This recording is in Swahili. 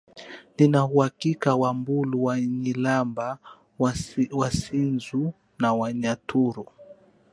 nina uhakika Wambulu Wanyilamba Waisanzu na Wanyaturu